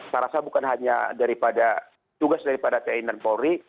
saya rasa bukan hanya tugas dari tni dan polri